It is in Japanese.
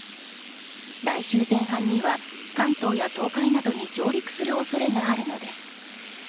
来週前半には関東や東海などに上陸する恐れがあるのです。